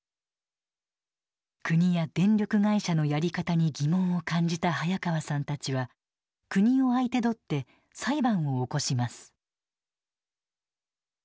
国や電力会社のやり方に疑問を感じた早川さんたちは国を相手取って裁判を起こします。